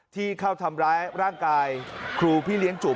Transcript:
ที่เข้าทำร้ายร่างกายครูพี่เลี้ยงจุ๋